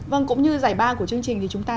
vâng cũng như giải ba của chương trình thì chúng ta